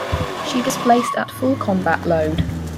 She displaced at full combat load.